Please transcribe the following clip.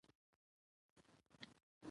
قلم له تورې څخه پیاوړی دی.